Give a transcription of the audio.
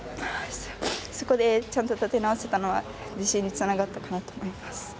そこで、ちゃんと立て直せたのは自信につながったかなと思います。